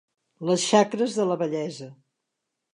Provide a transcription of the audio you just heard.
Les xacres de la vellesa.